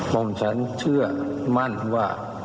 ผมฉันเชื่อมั่นว่า